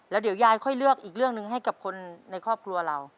แล้วเดี๋ยวยายค่อยเลือกอีกเรื่องหนึ่งให้กับคนในครอบครัวเรา